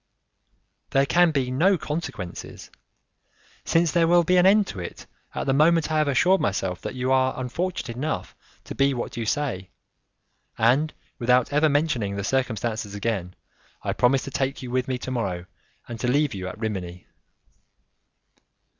"There can be no consequences, since there will be an end to it at the moment I have assured myself that you are unfortunate enough to be what you say, and without ever mentioning the circumstances again, I promise to take you with me to morrow and to leave you at Rimini."